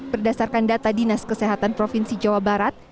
berdasarkan data dinas kesehatan provinsi jawa barat